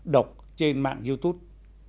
độc trên mạng youtube